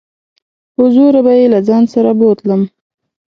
په زوره به يې له ځان سره بوتلم.